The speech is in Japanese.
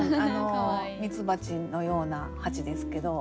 ミツバチのような蜂ですけど。